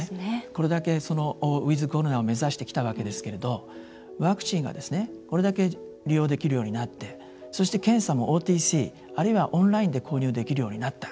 これだけウィズコロナを目指してきましたがワクチンがこれだけ利用できるようになってそして、検査もＯＴＣあるいはオンラインで購入できるようになった。